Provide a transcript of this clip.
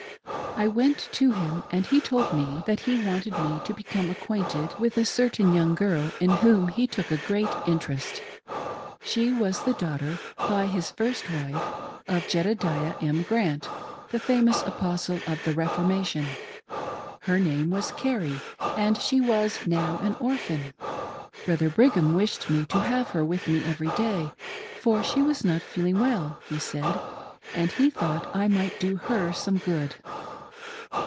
I went to him, and he told me that he wanted me to become acquainted with a certain young girl in whom he took a great interest. She was the daughter, by his first wife, of Jedediah M. Grant, the famous Apostle of the " Reformation "— her name was Carrie, and she was now an orphan. Brother Brigham wished me to have her with me every day, for she was not "feeling well," he said, and he thought I might do her some good.